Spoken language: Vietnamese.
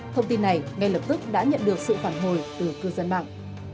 thông tin này ngay lập tức đã nhận được sự phản hồi từ cư dân mạng